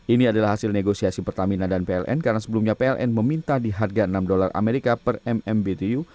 ini adalah hasil negosiasi pertamina dan pln karena sebelumnya pln meminta di harga enam dolar amerika per mmbtu